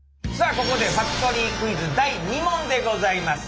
ここでファクトリークイズ第２問でございます。